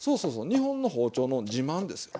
日本の包丁の自慢ですよ。